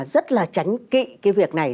rất là tránh kị cái việc này